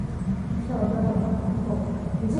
孝端文皇后。